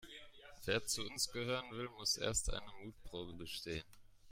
Wer zu uns gehören will, muss erst eine Mutprobe bestehen.